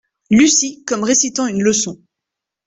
Lucie, comme récitant une leçon.